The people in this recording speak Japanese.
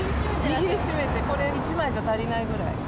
握りしめて、これ１枚じゃ足りないぐらい。